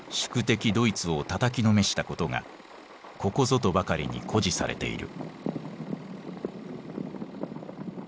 ドイツをたたきのめしたことがここぞとばかりに誇示されている。